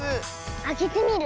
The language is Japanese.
あけてみる？